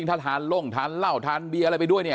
ถ้าทานลงทานเหล้าทานเบียร์อะไรไปด้วยเนี่ย